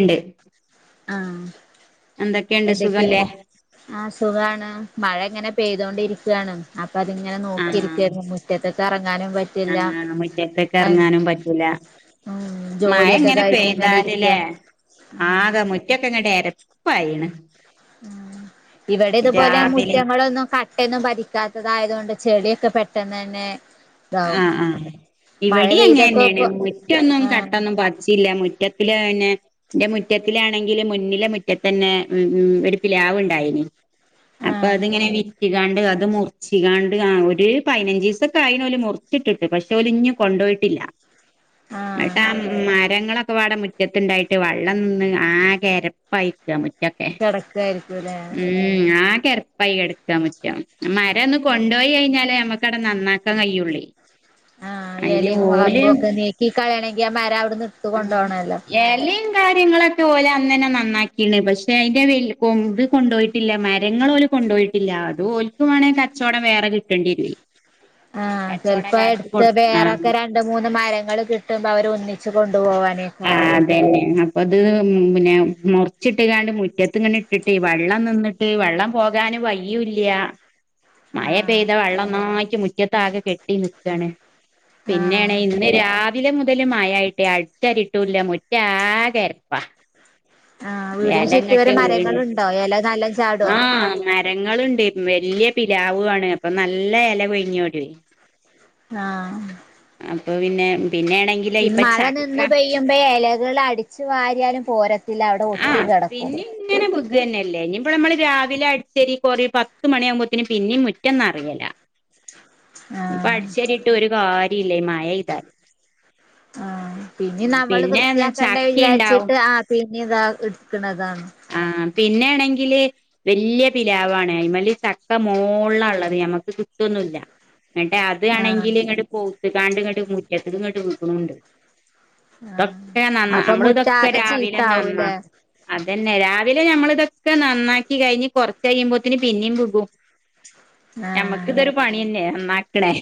ഇണ്ട് ആഹ് എന്തൊക്കെയുണ്ട് എന്തൊക്കെ. സുഖല്ലേ ആഹ് സുഖാണ് മഴ ഇങ്ങനെ പെയ്തോണ്ടിരിക്കുവണ്. അപ്പൊ അതിങ്ങനെ ആഹ് നോക്കിയിരിക്കരുന്നു. മുറ്റത്തൊക്ക ഇറങ്ങാനും പറ്റില്ല ആഹ് മുറ്റത്തേക്ക് ഇറങ്ങാനും പറ്റൂല ഉം, മഴ ജോലിയൊക്കെ ഇങ്ങനെ കഴിഞ്ഞ് ഇങ്ങനെ ഇരിക്ക പെയ്താലല്ലേ ആകെ മുറ്റൊക്കെ ഇങ്ങട്ട എരപ്പായിണ് ഉം ഇവിട ഇതുപോലെ രാവിലെ മുറ്റങ്ങളൊന്നും ക ട്ട ഒന്നും പതിക്കാത്ത തായതു കൊണ്ട് ചെളിയൊക്കെ പെട്ടെന്ന് തന്നെ ഇതാവും ആഹ് ആഹ് മഴ ഇവിടെ അങ്ങനെ പെയ്തപ്പോ തന്നെയാണ് ഇപ്പൊ മുറ്റൊന്നും ആഹ് കട്ടൊന്നും പതി ചില്ല മുറ്റത്തില തന്നെ എന്റെ മുറ്റത്തിലാണെങ്കില് മുന്നിലെ മുറ്റത്തന്നെ ഉം ഉം ഒരു പിലാവ് ഉണ്ടായിന് അപ്പൊ ആഹ് അത്ങ്ങനെ വിറ്റ കാണ്ട് അത് മുറിച്ച കാണ്ട് ആഹ് ഒരു പതിനഞ്ച് ദിവസൊക്കെ ആയിലോ ഓല് മു മുറിച്ചിട്ടിട്ട് പക്ഷേ ഓല് ഇഞ്ഞു കൊണ്ടു പോയിട്ടില്ല. ആഹ് എന്നട്ട് ആ മരങ്ങളൊക്കെ അവ്ട മു മുറ്റത്തിണ്ടായിട്ട് വെള്ളം നിന്ന് ആകെ എരപ്പായിക്ക മുറ്റൊക്കെ. കിടക്കായിരിക്കും അല്ലേ ഉം ആകെ എരപ്പായി കെടക്കുവാ മുറ്റം മര ഒന്ന് കൊണ്ടുപോയി കഴിഞ്ഞാല് നമ്മുക്കവിടെ നന്നാക്ക ക്കാൻ കയ്യുള്ളയ് ആഹ്, എല മുളമ്പും ഒക്കെ നീക്കി കളയണെങ്കി ആ മരം അവിടുന്ന് കൊണ്ടോണല്ലോ [unintelligible] ഇല കാര്യങ്ങളൊ ക്കെ ഓല് അന്നന്നെ നന്നാക്കിണ് പക്ഷെ അതിന്റെ വ കൊമ്പ് കൊണ്ടു പോയിട്ടില്ല. മരങ്ങള് കൊണ്ടു പോയിട്ടില്ല. അത് ഓൽക് വേണങ്കി കച്ചവടം വേറെ കിട്ടേണ്ടി വരു വേ. ആഹ്, ചിലപ്പോ എടുത്ത കൊടു വേറെ ആൾ ആഹ് ക്കര രണ്ട് മൂന്ന് മരങ്ങൾ കിട്ടുമ്പോ അവര് ഒന്നിച്ച് കൊണ്ടു പോവാനാ യിരിക്കും അത് തന്നെ. അപ്പൊ, അത് പിന്നെ മുറിച്ചിട്ട് കാണ്ട് മുറ്റത്തി ഇങ്ങനെ ഇട്ടിട്ട്. വെള്ളം നിന്നി ട്ട് വെള്ളം പോകാന് വഴി യുല്ല. മഴ ആഹ് പെയ്ത വെള്ളംന്നോയിറ്റ് മുറ്റത്ത് ആകെ കെട്ടി നിക്കാണ്. പിന്നെയണ് ആഹ് ഇന്ന് രാ രാവിലെ മുതല് മഴാ യിട്ടേ അടിച്ച് വാരിട്ടൂല്ല. മുറ്റ ആകെ എരപ്പ. ആഹ് വീടിന് എലങ്ങട്ട് ചുറ്റുവരം വീണ്ട്ട്, മരങ്ങളുണ്ടോ എല നല്ലോം ചാടോ ആഹ് മെ രങ്ങള്ണ്ട് വല്യ പിലാവു ആണ് അപ്പ നല്ലെ എല കൊഴിഞ്ഞോടിയോയി ആഹ് അപ്പ പിന്നെ പിന്നെണെങ്കി ഈ മഴ നിന്ന് പെയ് യ്യുമ്പയെ എലകള് അടിച്ചു വാരിയാലും പോരത്തില്ല അവടെ ഒട്ടി ആഹ് കെടക്കും പിന്നെ ഇങ്ങനെ ബുദ്ധി തന്നെ അല്ലേ ഇനിയിപ്പ നമ്മള് രാവിലെ അടിച്ചേരി കൊറേ പത്ത് മണിയാകുമ്പത്തിനും പിന്നിം മുറ്റം നറയലാ [inaudible] ഇപ്പ ആഹ് അടിച്ചേരിയിട്ട് ഒര് കാര്യല്ലേ ഈ മഴയ്താല് ആഹ് പിന്നിം നമ്മള് വൃത്തിയാക്കേണ്ടെ ചക്ക ഉണ്ടാവും വിചാരിച്ചിട്ട് ആഹ് പിന്നിം ഇതാ ഇട്ക്ക്ണതാ ആഹ് പിന്നെണെങ്കില് വല്യ പിലാവാണ് അയിമല് ചക്ക മോൾളാ ഇള്ളത് ഞമ്മക്ക് കിട്ടൊന്നുല്ല ഇന്നട്ട് ആഹ് അതാണെങ്കില് ഇങ്ങട്ട് പൊവ്ത്ത്കാണ്ട് ഇങ്ങട്ട് മുറ്റത്ത്ക്ക്ങ്ങട്ട് വ്ക്ണുണ്ട് ആഹ് ഇതൊക്കെ ഞാ നന്ന അപ്പൊ നമ്മള് ഇതൊക്കെ മുറ്റാകെ രാവിലെ നന്നാ ചീത്താവൂലേ അതന്നെ രാവിലെ ഞമ്മള്തൊക്കെ നന്നാക്കി കഴിഞ്ഞ് കൊറച്ചഴിയുമ്പോത്തിന് പിന്നിം വ്കും [inaudible] ഞമ്മക്ക് ആഹ് ഇതൊരു പണിയന്നെ നന്നാക്ക്ണേ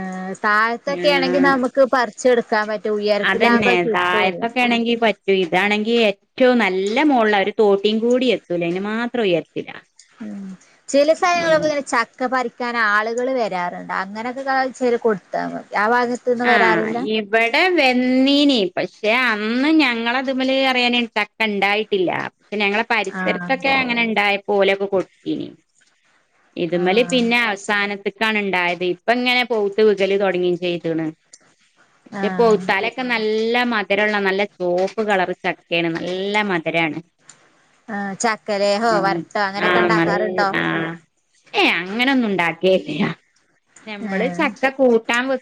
ആഹ് താഴത്തൊക്കെ ആണെങ്കി നമുക്ക് പറിച്ചെടുക്കാൻ പറ്റും ഉയരത്തിലാകുമ്പോ അതന്നെ അത് കിട്ടൂല്ല. താഴത്തൊക്കെ ആണെങ്കി പ റ്റും ഇതാണെങ്കി ഏറ്റവും നല്ല മോൾളാ ഒര് തോട്ടിയും കൂടി എത്തൂല അയിനു മാത്രം ഉയ ഹ്മ്മ് ചെല സലങ്ങളിലൊക്കെ ഇങ്ങനെ ച ക്ക പറിക്കാനാളുകള് വരാറ്ണ്ട് അങ്ങനെയൊക്കെ പറിച്ച് കൊടുത്താമതി ആഹ് ഈ ഇവടെ വെന്നീനി പക്ഷെ അന്ന് ഞങ്ങളെത്മല് അറിയാന് ചക്ക ഇണ്ടായിട്ടില്ല പിന്നെ ഞങ്ങളെ ആഹ് പരിസരത്തൊക്കെ അങ്ങനെ ഇണ്ടായപ്പോ ഓലൊക്കെ കൊട്ത്തീനി ഇത്മല് ആഹ് പിന്നെ അവസാനത്ത്ക്കാണ് ഇണ്ടായത് ഇപ്പം ഇങ്ങനെ പൊവുത്ത് വ്കല് തൊടങ്ങി ചെയ് ത്ണ്. പക്ഷെ ആഹ് പവുത്താലൊക്കെ നല്ല മധുരള്ള നല്ല ചോപ്പ് കളറ് ചക്കേണ് നല്ല മധുരാണ് ആഹ് ചക്കലേഹോ വരട്ടോ അങ്ങനെയൊക്കെ ആഹ് നൽ ഉണ്ടാക്കാറുണ്ടോ ആഹ് ഏഹ് അങ്ങനൊന്നും ഇണ്ടാക്കേല്ലാ ഞമ്മള് ആഹ് ചക്ക കൂട്ടാൻ വെ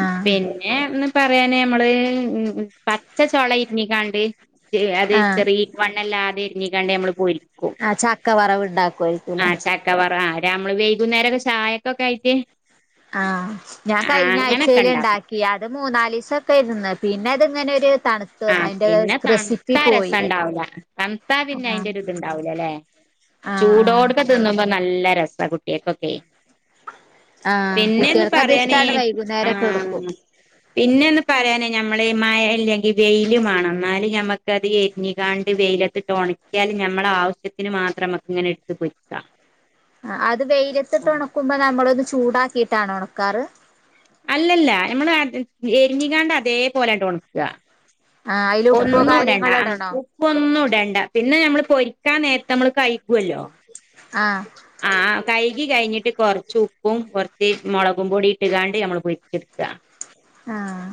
ആഹ് പിൻ ഏഹ് ന്ന് പറയാന് നമ്മള് ഹ്മ്മ് പച്ച ചൊള ഇര്ഞ്ഞ്ക്കാണ്ട് അത് ആഹ് ചെറി വണ്ണല്ലാതെ ഇരിഞ്ഞ്ക്കാണ്ട് നമ്മള് പൊരിക്കും ആഹ് ചക്ക വറ വ് ഇണ്ടാക്കുവായിരിക്കും ല്ലേ ആഹ് ചക്ക വറ ആഹ് ര നമ്മള് വൈകുന്നേരൊക്കെ ചായക്കൊക്കെ ആയിട്ട് ആഹ് ഞാൻ ആഹ് അങ്ങനൊക്കെ കഴിഞ്ഞാഴ്ച്ചേല് ഇണ്ടാ ഉണ്ടാക്കും ഇയാള് മൂന്നാലീസാ തരുന്നെ പിന്നെ അത് ഇങ്ങനെ ഒര് തണ് ആഹ് പിന്നെ തൻത്താ രസണ്ടാവൂല തൻത്താ പിന്നെ ആഹ് അയിന്റെ ഒര് ഇത്ണ്ടാവൂല ല്ലേ ആഹ് ആഹ് ചൂടോട്ക്കെ തിന്നുമ്പോ നല്ല രസാ കുട്ടിയേൾക്കൊക്കേ ആഹ് പിന്നെന്ന് കുട്ടികൾക്ക് അത് പറയാന് ഇഷ്ടാണ് വൈകുന്നേരൊക്കെ ആഹ് എടുക്കും പിന്നെന്ന് പറയാന് ഞമ്മള് ഈ മഴ ഇല്ലെങ്കി വെയില് മാണം ഇന്നാല് ഞമ്മക്ക് അത് എരിഞ്ഞ്കാണ്ട് വെയിലത്തിട്ട് ഒണക്കിയാല് ഞമ്മളാവുശ്യത്തിന് മാത്രമ ഇങ്ങനെ ഇട്ത്ത് പോയി ആഹ് അത് വെയിലത്തിട്ട് ഒണക്കുമ്പോ നമ്മളത് ചൂടാക്കിട്ടാണോ ഒണക്കാറ് അല്ലല്ല ഞമ്മള് അത് എരിഞ്ഞിക്കാണ്ട് അതേപോലാണ്ട് ഒണക്കാ ആഹ് അയില് ഉപ്പോ ഒന്നും ഇടണ്ടാ കാര്യങ്ങളോ ആഹ് ഇടണോ ഉപ്പൊന്നും ഇടണ്ടാ പിന്നെ ഞമ്മള് പൊരിക്കാൻ നേരത്ത് നമ്മള് കയികുവല്ലോ ആഹ് ആഹ് കൈകി കഴിഞ്ഞിട്ട് കൊറച്ച് ഉപ്പും കൊറച്ച് മൊളകും പൊടി ഇട്ട്ങ്ങാണ്ട് നമ്മള് പൊരിച്ചെട്ക്കാ ആഹ്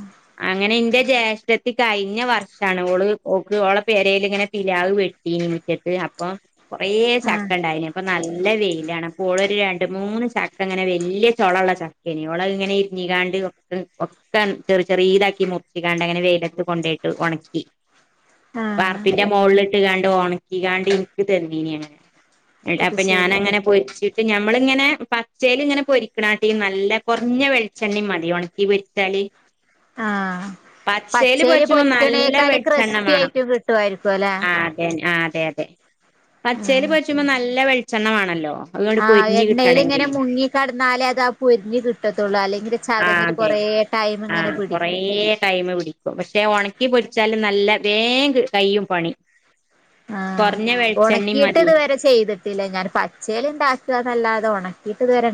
അങ്ങനെ ഇന്റെ ജ്യേഷ്ഠത്തി കഴിഞ്ഞ വർ ഷാണ് ഓള് ഓക്ക് ഓളെ പേരേല് ഇങ്ങനെ പിലാവ് വെട്ടീനി മിറ്റത്ത് അപ്പം കൊറേ ആഹ് ചക്ക ഇണ്ടായിനി അപ്പൊ നല്ല വെയിലാണ് അപ്പൊ ഓള് ഒര് രണ്ട് മൂന്ന് ചക്ക് ക്കെങ്ങനെ വെല്യ ചൊള ഇള്ള ചക്കേനീ ഓളത് ഇങ്ങനെ ഇരിഞ്ഞിങ്ങാണ്ട് [unintelligible] ക്കൻ ചെറി ചെറിതാക്കി മുറിച്ച്ങ്ങാണ്ട് അങ്ങനെ വെയിലത്ത് കൊണ്ടോയിട്ട് ഒണക്കി ആഹ് വാർപ്പിന്റെ മോളിലിട്ട്ങ്ങാണ്ട് ഒണക്കി കാണ്ട് ഇനിക്ക് തന്നീനി അങ്ങനെ അത് ഏട്ടപ്പ ശരി ഞാനങ്ങനെ പൊരിച്ച് ഞമ്മളിങ്ങനെ പച്ചേല് ഇങ്ങനെ പൊരിക്കണാട്ടി നല്ലേ കൊറഞ്ഞ വെളിച്ചെണ്ണേം മതി ഒണക് ഇവിട്ത്തെലിം ആഹ് പച്ചേല് പൊരിച്ചുമ്പോ നല്ല പൊരിക്കണേക്കാലും വെളിച്ചെണ്ണ ക്രിസ്പി ആയിറ്റും കിട്ടുവായിരിക്കും അല്ലെ [unintelligible] ആഹ് അതെ അതെ പച്ചേല് പൊരിച്ചുമ്പോ നല്ല വെളിച്ചെണ്ണ വാണല്ലോ ആഹ് എണ്ണേല് ഇങ്ങനെ മുങ്ങി കെടന്നാലേ അത് ആ പൊരിഞ്ഞ് കിട്ടത്തുള്ളൂ അല്ലെങ്കില് ആ ചതഞ്ഞി അതെ കൊറേ ആ ടൈമ്ങ്ങനെ കൊറേ പിടിക്കും ടൈമ് പിടിക്കും പക്ഷേ ഒണക്കി പൊരിച്ചാലും നല്ല വേം ക് കൈയും പണി ആഹ് കൊറഞ്ഞ വെളിച്ചെണ്ണയും ഒണക്കിയിട്ട് മതി ഇതുവരെ ചെയ്തിട്ടില്ല ഞാൻ പച്ചേല് ഇണ്ടാക്കാന്നല്ലാതെ ഒണക്കിയിട്ട് ഇതുവരെ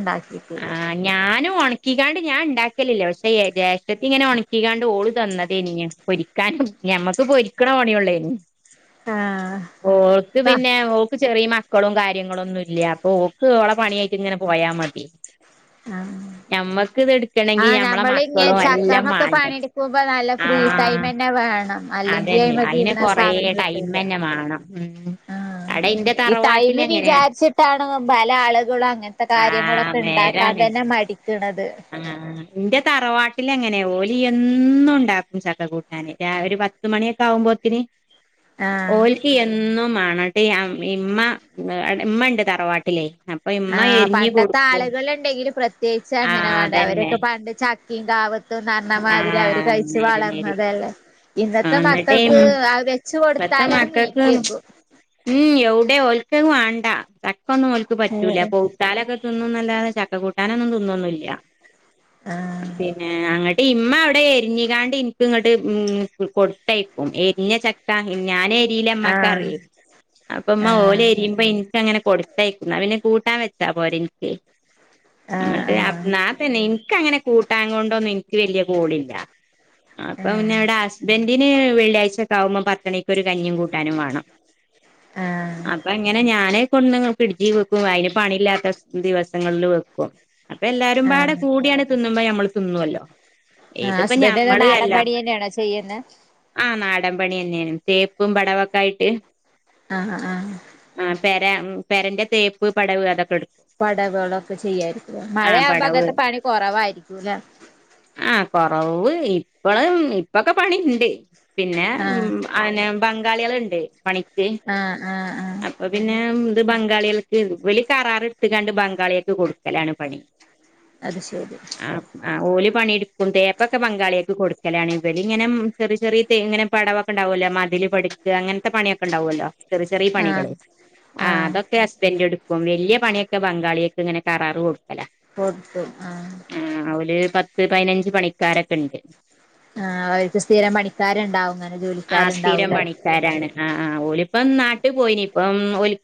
ആ ഇണ്ടാക്കിയിട്ടില്ലാ ഞാനും ഒണക്കിക്കാണ്ട് ഞാൻ ഇണ്ടാക്കലില്ലാ പക്ഷെ എ ജേഷ്ഠത്തി ഇങ്ങനെ ഒണക്കിക്കാണ്ട് ഓള് തന്നതേനി ഇ പൊരിക്കാനും ഞമ്മക്ക് പൊരിക്കണ പണിയേ ഒള്ളേനി ആഹ് ഓൾക്ക് പിന്നെ ഓക്ക് ചെറിയ മക്കളും കാര്യങ്ങളൊന്നും ഇല്ലാ ഓക്ക് ഓളെ പണിയായിറ്റ്ങ്ങനെ പോയാ മതി ആഹ് ഞമ്മക്ക് ഇത് എടുക്കണെങ്കി ആഹ് ഞമ്മളെ ഞമ്മള് ഇങ്ങ മക്കളും എല്ലാം ചക്കാമെക്കെ മാണ്ടേ പണിയെടുക്കുമ്പോ നല്ല ഫ്രീ ആഹ് ടൈമെന്നെ വേണം അല്ലെങ്കി അതന്നെ അയിന് അയിമെക്കിരുന്നാ കൊറേ സമയം കിട്ടൂല്ലാ ടൈമന്നെ മാണം ഉം ആഹ് അടെ ഇന്റെ ഈ ടൈമ് തറവാട്ടിലെങ്ങനെയാ വിചാരിച്ചിട്ടാണ് പല ആളുകളും അങ്ങൻത്തെ ആഹ് കാര്യങ്ങളൊക്കെ ഇണ്ടാക്കാൻ നേരാണ് തന്നെ മടിക്കണത് ആഹ് ഇന്റെ തറവാട്ടിലങ്ങനെയാ ഓലി എന്നുണ്ടാക്കും ചക്ക കൂട്ടാന് രാവി ഒര് പത് പത്ത് മണിയൊക്കെ ആവുമ്പോത്തിന് ആഹ് ഓൽ ക്കി എന്നും മാണട്ട് ഇ അ ഇമ്മ ടെ ഇമ്മണ്ട് തറവാട്ടിലെ അപ്പ ഇമ്മ എരിഞ്ഞി കൊടുക്കും ണ്ടെങ്കില് പ്രത്യേകിച്ച് ആഹ് അങ്ങനെ വേണ്ടെ അതന്നെ അവരൊക്കെ പണ്ട് ചക്കീം കാവത്ത് ത്ത്‌ന്നറഞ്ഞമാതിരി അവര് ആഹ് കഴിച്ച് നേര് നേര് വളർന്നതല്ലേ ഇന്നത്തെ ആഹ് ന്നിട്ട് മക്കക്ക് അത് വെച്ച് ഇപ്പത്തെ കൊടുത്താലാടെ നീക്കി മക്കക്ക് വെക്കും ഉം എവിടെ ഓൽക്കത് വാണ്ട ചക്കൊന്നും ഓൽക്ക് പറ്റൂലാ ഉം പവുത്താലൊക്കെ തിന്നുന്നല്ലാതെ ചക്ക കൂട്ടാനൊന്നും തിന്നൊന്നുല്ലാ ആഹ് പിന്നെ അങ്ങട്ട് ട്ട് ഇമ്മ അവിടെ എരിഞ്ഞ്കാണ്ട് എനിക്ക് ഇങ്ങട്ട് ഉം കൊടുത്തയക്കും എരിഞ്ഞ ചക്ക ഞാനെ ആഹ് രിലമ്മക്കറിയേ അപ്പ ഉമ്മ ആഹ് ഓലെരിയുമ്പം ഇൻ ട്ടങ്ങനെ കൊടുത്തയക്കുന്നാ അത് പിന്നെ കൂട്ടാൻ വെച്ചാ പോരെ ഇൻക്ക് ആഹ് ഇന്നട്ട് അപ് ആഹ് ഇന്നാ തന്നെ ഇൻക്ക് അങ്ങനെ കൂട്ടാൻ കൊണ്ടൊന്നും ഇൻക്ക് വെല്യ കൂടില്ലാ അപ്പം ആഹ് പിന്നെവിടെ ഹസ്ബൻഡറിന് വെള്ളിയാഴ്ചക്കെ ആകുമ്പ പത്തണിക്ക് ഒരു കഞ്ഞി കൂട്ടാനും വാണം. [inaudible] ആഹ് അപ്പ ങ്ങനെ ഞാനേ കൊട്ന്ന് പിഡ് ജി വെക്കും അതിന് പണി ഇല്ലാത്ത ദിവസങ്ങളിൽ വെക്കും. അപ്പൊ എല്ലാരുംപാടെ ആഹ് കൂടിയാണ്ട് തിന്നുമ്പോ നമ്മൾ തിന്നുല്ലോ? ആ ഹസ്ബൻഡ് നാടൻപണി തന്നെയാണോ ചെയ്യുന്ന് ആഹ് നാടൻ പണിന്നെണ് തേപ്പും പടവൊക്കെ ആയിട്ട്. ആഅ ആ ആ പര പെരന്റെ തേപ്പ് പടവ് അതൊക്കെ എടുക്കും. പടകുകളൊക്കെ ചെയ്യായിരിക്കും ആ മഴയാവുമ്പോ പടവ് അങ്ങനത്തെ പണി കൊറവായിരിക്കുംല്ലെ ആഹ് കൊറവ് ഇപ്പള ഇപ്പൊക്കെ പണിണ്ട് പിന്നെ ഉം. ആഹ് അനെ ബംഗാളികള്ണ്ട് പണിക്ക്. ആഹ് ആഹ് ആഹ് അപ്പൊ പിന്നെ ഇത് ബംഗാളികൾക്ക് ഓലി കരാർ ഇടത്ത്ങ്ങണ്ട്. ബംഗാളികൾക്ക് കൊടുക്കലാണ്. പണി അത് ശരി ആ ആ ഓല് പണി എടുക്കും തേപ്പൊക്കെ ബങ്കാളിയൊൾക്ക് കൊടുക്കലാണ് ഇവലിങ്ങനെ.. ചെറിയ ചെറിയ തെ ഇങ്ങനെ പടംവോക്കെ ഉണ്ടാവുല്ലോ മതില് പഠിക്ക അങ്ങനത്തെ പണിയൊക്കെ ഉണ്ടാവുല്ലോ ചെറ ചെറിയ പണികള്. ആഹ് ആ ആഹ് അതൊക്കെ ഹസ്ബൻഡറ് എടുക്കും വലിയ പണിയൊക്കെ ബംഗാളിയൊ ക്ഇങ്ങനെ കറാറ് കൊടുക്കലണ്. കൊടുത്തു ആഹ് ആ അവല് പത്ത് പതിനഞ്ച് പണിക്കാരൊക്കെ ഉണ്ട്. ആഹ അവർക്ക് സ്ഥിരം പണിക്കാരണ്ടാവുന്ന ആ സ്ഥിരം പണിക്കാരാണ്. ആ ആ് ഓലിപ്പം നാട്ട് പോയിനി പ്പംഓല്..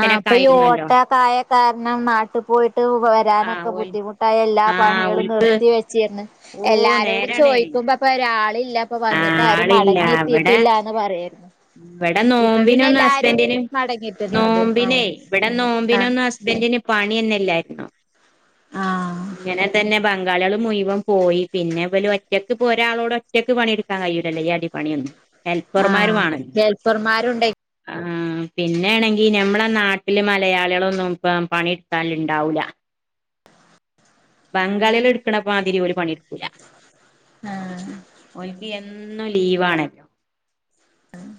ആഹ ഇപ്പൊ ഈ ഓട്ട് കായ കാരണം നാട്ടിൽ പോയിട്ട് ആ വരാനൊക്കെ ഓൽ ബുദ്ധിമുട്ട്. പയെല്ലാ ആ പണിളും ഓൽക്ക് നിർത്തി വെച്ചിന്ന് ഓ എല്ലാരോടും നേരാണ് ചോയ് ക്കുമ്പ. പ്പൊ ഒരാളില്ല. ഇപ്പൊ ആ വന്നിട്ട് ആരും ആളില്ല മടങ്ങിയ ഇവിടെ എത്തിട്ടില്ലന്ന് പറയരുന്നു. ഇവിടെ നോമ്പിനൊന്ന് ഹസ്ബൻറിന് മടങ്ങിയെത്തുന്നുണ്ട് നോമ്പിനെ ആഹ് ഇവിടെ ആഹ് നോമ്പിനൊന്ന് ഹബൻഡന് പണിന്നല്ലായിരുന്നു ആഹ് ഇങ്ങനെ തന്നെ. ബ ബങ്കാലളികൾ മുൈവം പോയി പിന്നെ പോലും ഒറ്റക്ക് പോ ഒരാളോട് ഒറ്റക്ക് പണിെടുക്കാൻ കഴിയിൂല്ലേ ഈയതി പണിഒന്നും. ആഹ ഹെൽപ്പർമാരുണ്ടെ ആ പിന്നെണെങ്കി ഞമ്മളെ നാട്ടില് മലയാളികളൊന്നും ഇപ്പ പണിടുത്താൽ ഇണ്ടാവൂല. [inaudible] ബംഗാളിള് ഇട്ക്കണ മാതിരി ഒര് പണിയെടുക്കൂല. ആഹ് ഓൽക്ക് എന്നും ലീവാ ആണ്.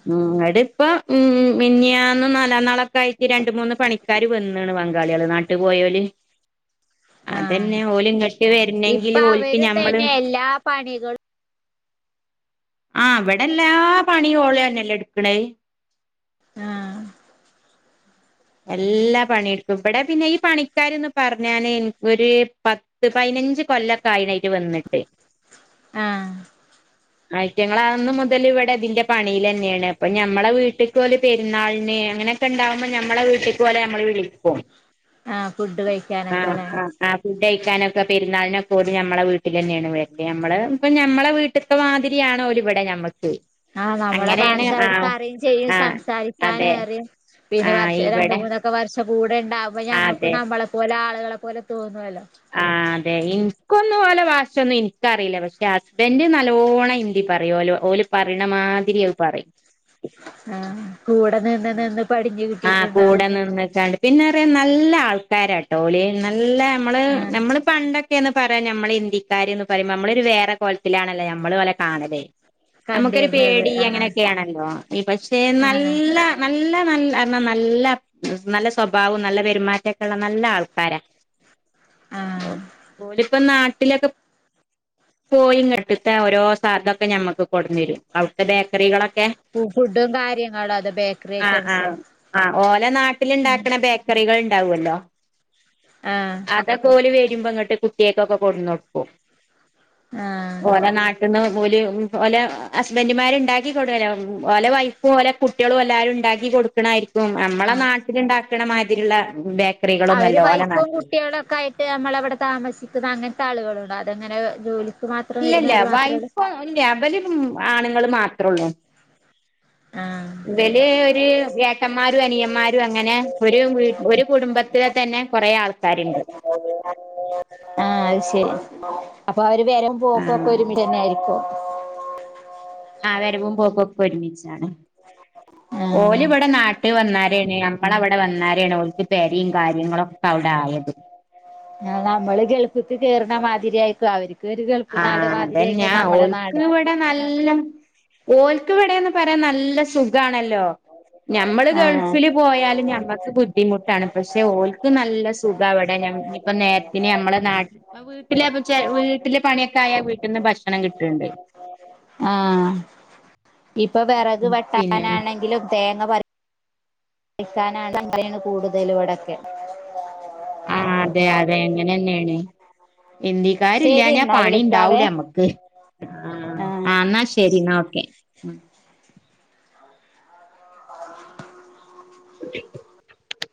മം നട്ട് [inaudible] ഉം മിന്യാന്ന് നാലാം നാളൊക്കെ ആയിട്ടു രണ്ട് മൂന്ന് പണിക്കാര് വന്നെണ് ബങ്കാളികള് നാട്ടി പോയോല്. ആഹ് അതന്നെ ഓല് ഇങ്ങട്ട് ഇപ്പ വരണെങ്കില് ഓൽക്ക് അവരും ഞമ്മള് തന്നെ എല്ലാ പണികളും. ആഹ് അവിടെല്ലാ പണിയും ഓളന്നല്ലെ എടുക്കണേ. [inaudible] എല്ലാ പണിയെടുക്കും ഇവിടെ പിന്നെ ഈ പണിക്കാരെന്ന് പറഞ്ഞാന് ഒരു പത്ത് ത്ത് പതിനഞ്ച് കൊല്ലക്കെ ആയിന് അവര് വന്നിട്ട്. ആഹ് അയറ്റങ്ങൾ അന്ന് മുതല് ഇവിടെ ഇതിന്റെ പണിയിലെന്നെയാണ് അപ്പ ഞമ്മളെ വീട്ടിക്ക് ഒല് പെരുന്നാളിന് അങ്ങനെ ക്ക്‌ണ്ടാവുമ്പോ ഞമ്മടെ വീട്ടിക്കു പോലെ ഞമ്മളു വിളിക്കും ആഹ് ഫുഡ് കഴിക്കാനൊക്കെ ആഹ് അല്ലേ ആഹ് ആഹ് ഫുഡ്ഡഴിക്കാനൊക്കെ പെരു ന്നാളിനൊക്കെ ഓല് നമ്മള വീട്ടിൽ അന്നെയാണ് വരല് ഞമ്മളേ ഇപ്പ ഞമ്മളെ വീട്ടിക്ക്‌ മാതിരി തിയാണോലി ഇവിടെ ഞമ്മുക്ക് ആഹ് നമ്മുടെ ഭാഷ അവർക്ക് അറിയിം ചെയ്യും ആഹ് അതെ സംസാരിക്കാനും അറിയാം പിന്നെ വർഷ ആഹ് രണ്ടു ഇവിടെ മൂന്നും ഒക്കെ വർഷ കൂടെ ഇണ്ടാവുമ്പ ആ ഞമ്മക്ക് അതെ നമ്മളെപ്പോലെ ആളുകളെ പോലെ തോന്നുവല്ലോ ദെ ഇൻക്കൊന്നും ഒലെ ഭാഷ ഒന്നും ഇൻക്കറിയില്ല പക്ഷെ ഹസ്ബൻഡ് നല്ലോണം ഹിന്ദി പറയും ഓലു ഓലു പറിണ മാതിരി [unintelligible] പറയും ആഹ് കൂടെ നിന്ന് നിന്ന് പടിഞ്ഞു കിട്ടീട്ടുണ്ടാവും നിന്ന്കാണ്ട് പിന്നറിയാ നല്ല ആൾക്കാരാട്ടോ ഓല് നല്ല നമ്മള് ആഹ് നമ്മള് പണ്ടൊക് ക്കെ ന്ന് പറയാൻ നമ്മളെ ഹിന്ദി ക്കാര് ന്ന് പറയുമ്പം നമ്മളൊരു വേറെ കോലത്തിലാണല്ലോ നമ്മള് ഓലെ കാണല് അമ്മക്കൊരു കണ്ടിരുന്നത് പേടി ആഹ് അങ്ങനെയൊക്കെയാണല്ലോ പക്ഷെ ആഹ് നല്ല നല്ല നല്ല എന്നാ നല്ല നല്ല സ്വഭാവോം നല്ല പെരുമാറ്റൊക്കെ ഇള്ള നല്ല ആൾക്കാരാ ആഹ് ഓലിപ്പ നാട്ടിലൊക്കെ [inaudible] പോയിങ്ങട്ട്ത്തെ ഓരോ സാധനൊക്കെ ഞമ്മക്ക് കൊട്ന്നരും അവിടുത്തെ ബേക്കറികളൊക്കെ ഫു ഫുഡും കാര്യങ്ങളും അത് ബേക് ആഹ് ആഹ് ആഹ് ഓല നാട്ടില്ണ്ടാക്കണ ബേക്കറികൾ ഉണ്ടാവല്ലോ ആഹ് അതൊക്കോല് വര്മ്പ ഇങ്ങട്ട് കുട്ടിയാക്കൊക്കെ കൊടുന്നട്ക്കും ആഹ് ഓന നാട്ട് എന്നാ ഓല് ഓലെ ഹസ്ബന്റുമാര് ഉണ്ടാക്കി കൊടുവല്ലോ ഓലെ വൈഫും ഓലെ കുട്ടികളും എല്ലാരും ഉണ്ടാക്കി കൊടുക്കണായിരി ഉം നമ്മളെ ആഹ് നാട്ടിൽ ഉണ്ടാക്ക്ണ മാതിരി ഉള്ള ബേക്കറികളൊന്നും അല്ല ഓല നാട്ടിൽ കേളോ കയി ഏഹ് നമ്മളവിടെ താമസിക്കുന്ന അങ്ങൻത്തെ ആളുകളുണ്ട അതങ്ങനെ ജോലിക്ക് മാ ഇല്ലല്ല വൈഫോ ഇല്ല അവലും ആണുങ്ങളു മാത്രൊള്ളൂ ആഹ് വെല് ഒരു ഏട്ടന്മാരും അനിയന്മാരും അങ്ങനെ ഒരു ഒരു കുടുംബത്തിലെ തന്നെ കൊറേ ആൾ താര്ണ്ട് ആഹ് അത് ശരി അപ്പൊ അവര് വേരും പോക്കൊക്കെ ഒരുമിച്ച് തന്നെ ആയിരിക്കും ആഹ് വരവും പോക്കും ഒക്കെ ഒരുമിച്ചാണ് [unintelligible] ഓല്‌വടെ നാട്ടിൽ വന്നാരേണ് ഞമ്മളവിടെ വന്നാരേണ് ഓൽക്ക് പെരിം കാര്യങ്ങളും ഒക്കെ അവിടെ ആയത് ആഹ് നമ്മള് ഗൾഫിക്ക്‌ കേറുന്ന മാതിരി ആയിരിക്കും അവര് ഇതൊരു ഗൾഫു നാട് മാതിരിയേക്ക നമ്മടെ നാട് ടെ നല്ലും ഓൽക്കിവിടേന്നു പറയാൻ നല്ല സുഖ് ഇതാണല്ലോ ഞമ്മളു ആഹ് ഗൾഫിലും പോയാലും ഞമ്മക്ക് ബുദ്ധിമുട്ടാണ് പക്ഷെ ഓൽക്ക് നല്ല സുഖാവിടെ ന ഇപ്പ നേരത്തിന് ഞമ്മടെ നാട്ടി വീട്ടിലെ വീട്ടില് പണിയൊക്കെ ആയാ വീട്ടിന്ന് ഭക്ഷണം കിട്ട്ണ്ട് ആഹ് ഇപ്പൊ വെറക് പിന്നെ വെട്ടാനാണെങ്കിലും. തേങ്ങ പറി പറിക്കാനാണ് അങ്ങനെണ് കൂടുതല് ഇവിടൊക്കെ. ആഹ് അതെ അതെ അങ്ങനെന്നേണ് ഹിന്ദി ശരി ക്കാരില്ലാഞ്ഞ എന്നാ വിളിക്കാവേ പണിണ്ടാവൂലമ്മക്ക് ആഹ് ആഹ് ഇന്നാ ശരി ഇന്നാ ഓക്കെ. [unintelligible] [unintelligible]